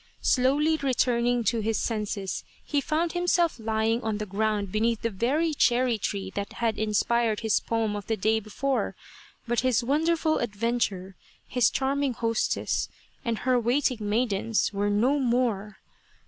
Slowly returning to his senses, he found himself lying on the ground beneath the very cherry tree that had inspired his poem of the day before ; but his wonderful adventure, his charming hostess, and her waiting maidens were no more